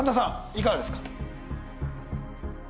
いかがですか？